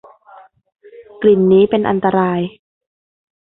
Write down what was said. กลิ่นนี้เป็นอันตราย